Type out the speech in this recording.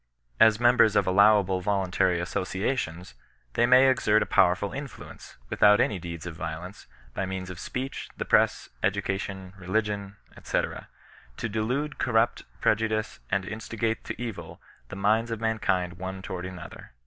As members of allowable voluntary associations, they may exert a powerful influence, without any deeds of violence, by means of speech, the press, education, religion, &c., to delude, corrupt, prejudice, and instigate to evil the minds of mankind one toward another.